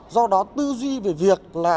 do đó tư duy về việc là